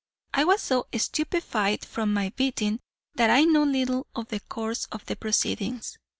I was so stupefied from my beating that I know little of the course of the proceedings.